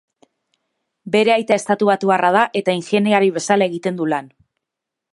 Bere aita estatubatuarra da eta ingeniari bezala egiten du lan.